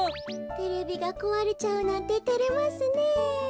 テレビがこわれちゃうなんててれますね。